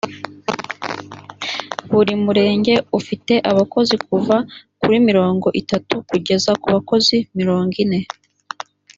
buri murenge ufite abakozi kuva kuri mirongo itatu kugeza ku bakozi mirongo ine